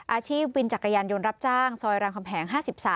อาชีพวินจักรยานยนต์รับจ้างซอยรามคำแหง๕๓